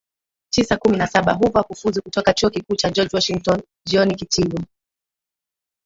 tisa kumi na saba Hoover kufuzu kutoka Chuo Kikuu cha George Washington jioni Kitivo